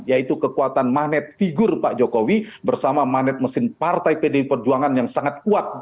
yaitu kekuatan magnet figur pak jokowi bersama magnet mesin partai pdi perjuangan yang sangat kuat